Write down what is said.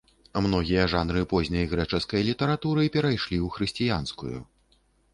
Многія жанры позняй грэчаскай літаратуры перайшлі ў хрысціянскую.